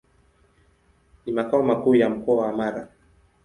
Ni makao makuu ya Mkoa wa Mara.